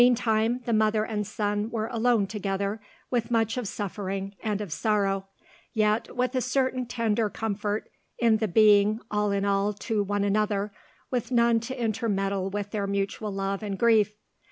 Meantime the mother and son were alone together, with much of suffering and of sorrow, yet with a certain tender comfort in the being all in all to one another, with none to intermeddle with their mutual love and grief.